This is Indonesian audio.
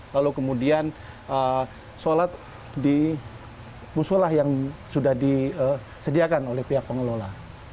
lalu kemudian sholat di musolah yang sudah disediakan oleh pihak pengelola